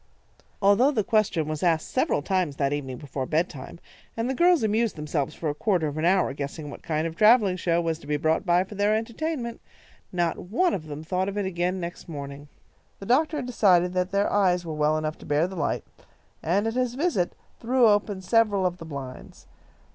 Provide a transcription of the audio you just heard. Although the question was asked several times that evening before bedtime, and the girls amused themselves for a quarter of an hour guessing what kind of a travelling show was to be brought by for their entertainment, not one of them thought of it again next morning. The doctor had decided that their eyes were well enough to bear the light, and, at his visit, threw open several of the blinds.